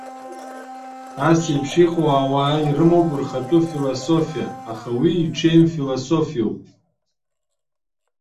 Асеиԥш иҟоу ауаа ирымоуп рхатәы философиа, аха уи иҽеим философиоуп.